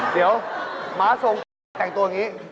เดี๋ยวมหาสงฆ์แก่งตัวอย่างนี้